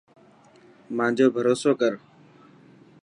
مانجو ڀروسو ڪر.